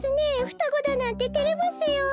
ふたごだなんててれますよ。